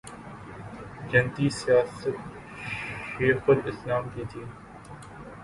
جتنی سیاست شیخ الاسلام کی تھی۔